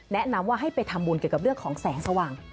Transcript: แนะนำว่าให้ไปทำบุญเกี่ยวกับเรื่องของแสงสว่าง